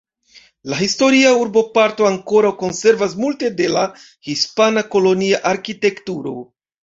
La historia urboparto ankoraŭ konservas multe de la hispana kolonia arkitekturo.